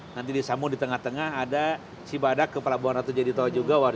nanti disambung di tengah tengah ada cibadak pelabuhan ratu jadi tol juga